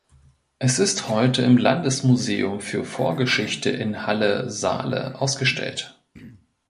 Es ist heute im Landesmuseum für Vorgeschichte in Halle (Saale) ausgestellt.